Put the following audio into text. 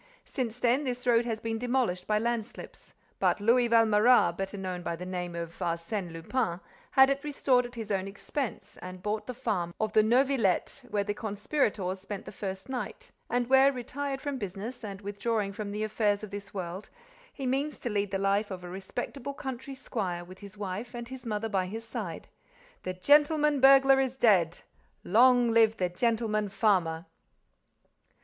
Since then, this road has been demolished by landslips. But Louis Valméras, better known by the name of Arsène Lupin, had it restored at his own expense and bought the farm of the Neuvillette, where the conspirators spent the first night and where, retired from business and withdrawing from the affairs of this world, he means to lead the life of a respectable country squire with his wife and his mother by his side. The gentleman burglar is dead! Long live the gentleman farmer!"